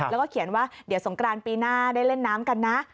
แล้วก็เขียนว่าเดี๋ยวสงกรานปีหน้าได้เล่นน้ำกันนะ